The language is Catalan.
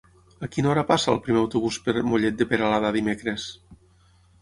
A quina hora passa el primer autobús per Mollet de Peralada dimecres?